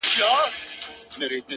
o په یو نظر کي مي د سترگو په لړم نیسې،